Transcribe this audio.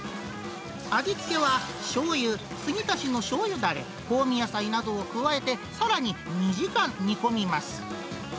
味付けはしょうゆ、継ぎ足しのしょうゆだれ、香味野菜などを加えて、さらに２時間煮込みます。